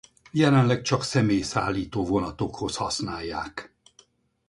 Jelenleg csak személyszállító vonatokhoz használják.